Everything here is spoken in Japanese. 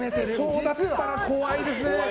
そうだったら怖いですね。